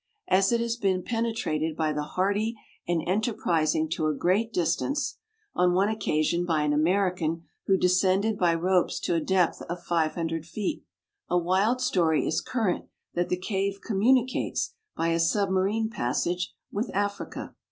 As it has been penetrated by the hardy and enterprising to a great distance (on one occasion by an American, who descended by ropes to a depth of 500 feet), a wild story is current that the cave communicates by a submarine passage with Africa.